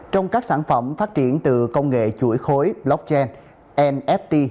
trong các sản phẩm phát triển từ công nghệ chuỗi khối blockchain nft